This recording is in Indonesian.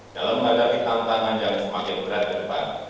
dalam menghadapi tantangan yang semakin berat ke depan